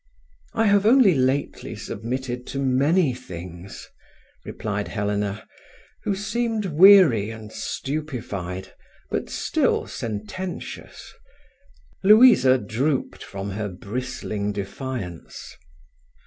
"I have only lately submitted to many things," replied Helena, who seemed weary and stupefied, but still sententious. Louisa drooped from her bristling defiance.